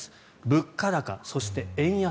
物価高、そして円安。